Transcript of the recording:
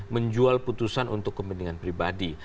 menjual putusan untuk kepentingan pribadi